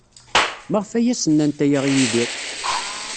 Maɣef ay as-nnant aya i Yidir?